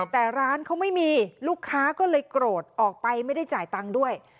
แต่ร้านเขาไม่มีลูกค้าก็เลยโกรธออกไปไม่ได้จ่ายตังค์ด้วย